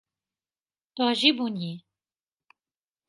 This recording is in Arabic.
تعجبني.